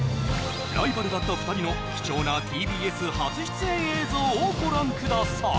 ライバルだった２人の貴重なＴＢＳ初出演映像をご覧ください